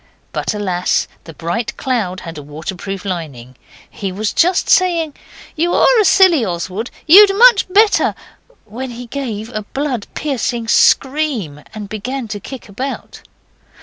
But alas! the brightest cloud had a waterproof lining. He was just saying 'You are a silly, Oswald. You'd much better ' when he gave a blood piercing scream, and began to kick about.